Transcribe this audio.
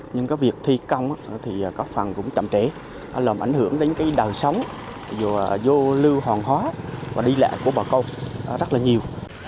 nhưng cái việc thi công thì có phần cũng chậm trễ làm ảnh hưởng đến cái đời sống vô lưu hoàng hóa và đi lại của bà con rất là nhiều